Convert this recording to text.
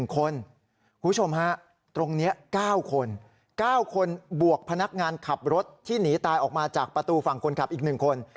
คุณผู้ชมฮะตรงนี้๙คน๙คนบวกพนักงานขับรถที่หนีตายออกมาจากประตูฝั่งคนขับอีก๑คน